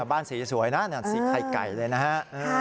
บ้านสีสวยนะสีไข่ไก่เลยนะฮะ